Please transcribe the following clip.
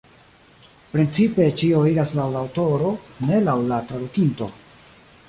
Principe ĉio iras laŭ la aŭtoro, ne laŭ la tradukinto.